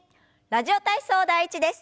「ラジオ体操第１」です。